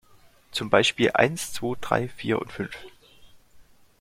Zum Beispiel: Eins, zwei, drei, vier und fünf.